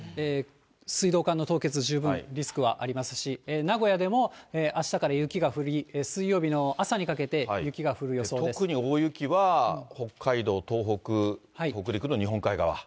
水道管の凍結、十分リスクはありますし、名古屋でもあしたから雪が降り、水曜日の朝にかけて、特に大雪は北海道、東北、北陸の日本海側。